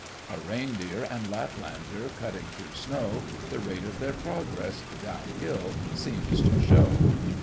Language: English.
A reindeer and Laplander cutting through snow. The rate of their progress (down hill) seems to show.